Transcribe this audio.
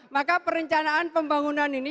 maka perencanaan pembangunan ini